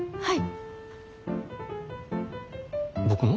はい。